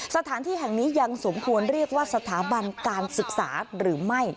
สถานที่แห่งนี้ยังสมควรเรียกว่าสถาบันการศึกษาหรือไม่